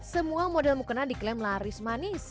semua model mukena diklaim laris manis